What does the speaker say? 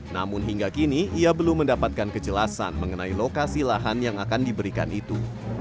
namun hingga kini ia belum mendapatkan kejelasan mengenai lokasi lahan yang akan diberikan itu